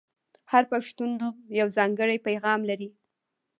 • هر پښتو نوم یو ځانګړی پیغام لري.